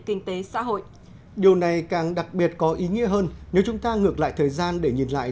kinh tế xã hội điều này càng đặc biệt có ý nghĩa hơn nếu chúng ta ngược lại thời gian để nhìn lại